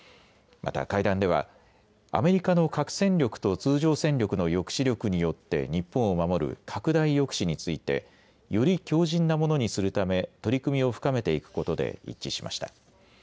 また、会談ではアメリカの核戦力と通常戦力の抑止力によって日本を守る拡大抑止についてより強じんなものにするため取り組みを深めていくことで一致しました。